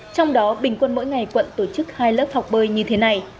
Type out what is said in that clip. trong đó bình quân mỗi ngày quận tổ chức hai lớp học bơi như thế này